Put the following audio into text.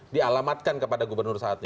dialamatkan kepada gubernur saat ini